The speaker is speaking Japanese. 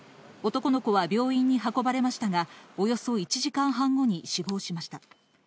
男の子は病院に運ばれましたが、およそ１時間半後に死亡しました。